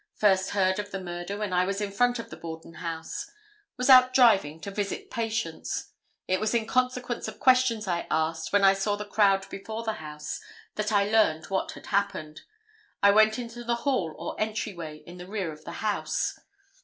First heard of the murder when I was in front of the Borden house. Was out driving to visit patients. It was in consequence of questions I asked when I saw the crowd before the house that I learned what had happened. I went into the hall or entry way in the rear of the house.